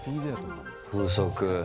風速。